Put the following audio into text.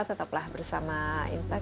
tetaplah bersama insta